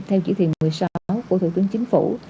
theo chỉ thị một mươi sáu của thủ tướng chính phủ